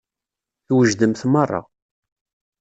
Twejdemt meṛṛa.